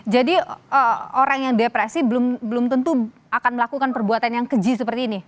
jadi orang yang depresi belum tentu akan melakukan perbuatan yang keji seperti ini